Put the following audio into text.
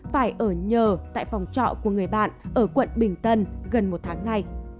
phải ở nhờ tại phòng trọ của người bạn ở quận bình tân gần một tháng nay